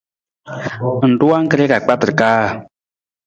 Ng ruu angkre ka kpatar kaa?